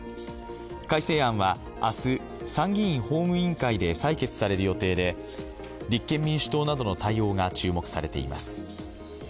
改正案は明日、参議院法務委員会で採決される予定で立憲民主党などの対応が注目されています。